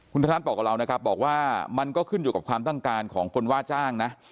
คุณธนัทบอกกับเรานะครับบอกว่ามันก็ขึ้นอยู่กับความต้องการของคนว่าจ้างนะ